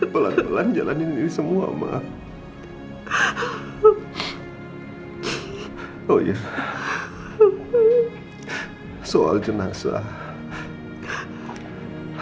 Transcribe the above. pelan pelan jalanin ini semua mak oh iya soal jenazah